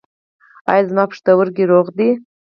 ایا زما پښتورګي روغ دي؟